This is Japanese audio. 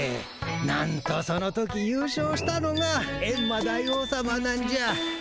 なんとその時優勝したのがエンマ大王さまなんじゃ。